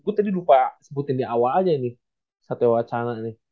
gue tadi lupa sebutin di awal aja nih satya watsana ini